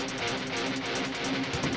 saya sudah tanya sama bapak